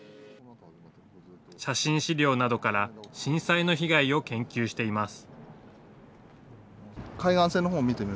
写真資料などから震災の被害を研究しています。